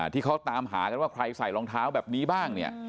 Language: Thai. ที่เขาตามหากันว่าใครใส่รองเท้าแบบนี้บ้างเนี่ย